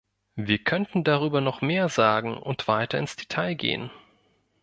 Wir könnten darüber noch mehr sagen und weiter ins Detail gehen.